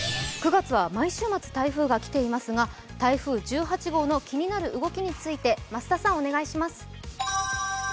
９月は毎週末台風が来ていますが台風１８号の気になる動きについて増田さん、お願いします。